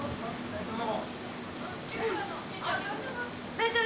大丈夫？